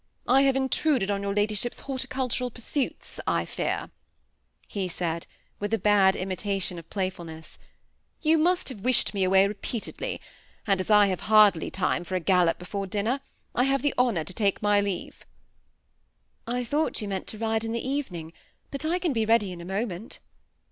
I have intruded on your ladyship's horticuhural pur suits, I fear," he said, with a bad imitation of playful ness ;" you must have wished me away repeatedly, and as I have hardly time for a gallop before dinner, I have the honor to take my leave." ^ I thought you meant to ride in the evening, bat I can be ready in a moment."